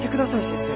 先生！